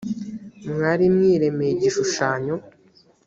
mwari mwiremeye igishushanyo